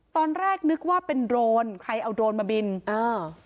ตอนแรกนึกว่าเป็นโรนใครเอาโดรนมาบินอ่า